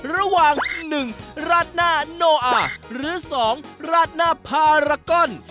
ระหว่าง๑ราชนาโนอาหรือ๒ราชนาพารากอน